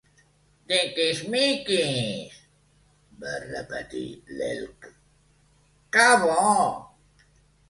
Tiquismiquis! —va repetir l'Elke— Que bo!